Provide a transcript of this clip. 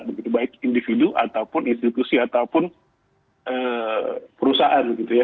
begitu baik individu ataupun institusi ataupun perusahaan gitu ya